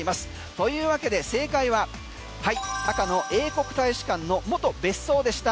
というわけで正解は赤の英国大使館の元別荘でした。